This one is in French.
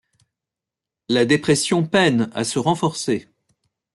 La dépression peine à se renforcer.